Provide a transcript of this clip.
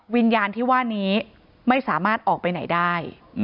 วิญญาณที่ว่านี้ไม่สามารถออกไปไหนได้